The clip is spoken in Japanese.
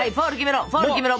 フォール決めろ！